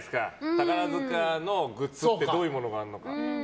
宝塚のグッズってどういうものがあるのか。